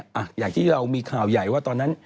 อย่างที่เรามีข่าวใหญ่ว่าตอนนั้น